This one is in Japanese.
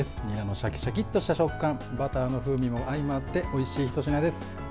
にらのシャキシャキとした食感バターの風味も相まっておいしいひと品です。